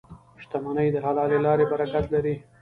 • شتمني د حلالې لارې برکت لري.